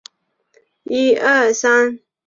无色有刺激腥臭味的液体。